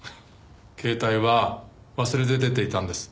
携帯は忘れて出ていたんです。